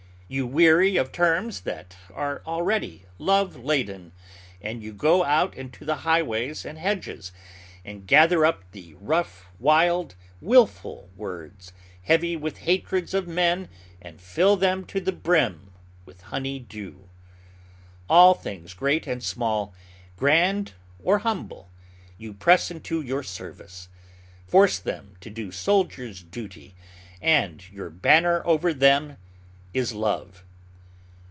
You weary of terms that are already love laden, and you go out into the highways and hedges, and gather up the rough, wild, wilful words, heavy with the hatreds of men, and fill them to the brim with honey dew. All things great and small, grand or humble, you press into your service, force them to do soldier's duty, and your banner over them is love.